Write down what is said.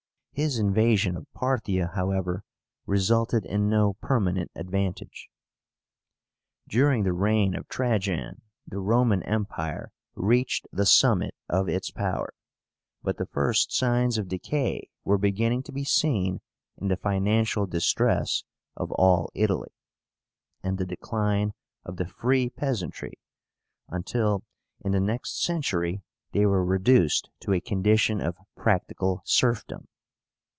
His invasion of Parthia, however, resulted in no permanent advantage. During the reign of Trajan the Roman Empire REACHED THE SUMMIT OF ITS POWER; but the first signs of decay were beginning to be seen in the financial distress of all Italy, and the decline of the free peasantry, until in the next century they were reduced to a condition of practical serfdom.